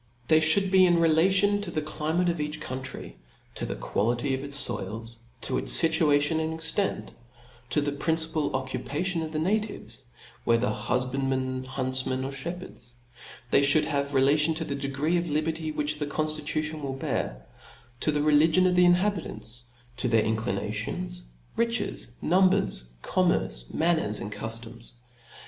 They Ihould be relative to the climate of each country, to the quality of its foil, to its fituatioa and extent, to the principal occuparion of the na tives, whether hufbandmen, huntfiiaen, or fhep hcrds : they (hould have a relation to the degree of liberty which the conftitution will bear ; to the religion of the inhabitants, to' their inclinations, riches, numbers, commerce, nianner^, and cuftoms.